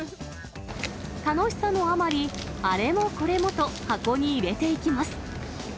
楽しさのあまり、あれもこれもと、箱に入れていきます。